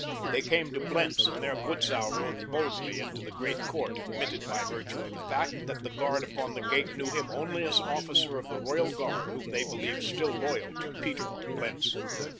They came to Blentz, and there Butzow rode boldly into the great court, admitted by virtue of the fact that the guard upon the gate knew him only as an officer of the royal guard whom they believed still loyal to Peter of Blentz.